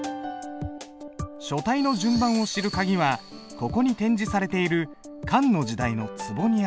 書体の順番を知る鍵はここに展示されている漢の時代の壷にある。